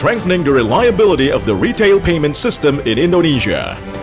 dan memperkuat keberagaman sistem uang pembayaran di indonesia